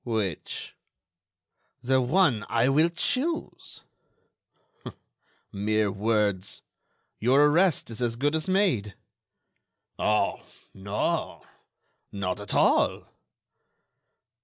"Which?" "The one I will choose." "Mere words! Your arrest is as good as made." "Oh! no—not at all."